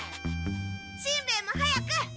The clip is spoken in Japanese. しんべヱも早く！